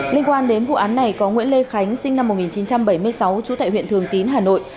liên quan đến vụ án này có nguyễn lê khánh sinh năm một nghìn chín trăm bảy mươi sáu trú tại huyện thường tín hà nội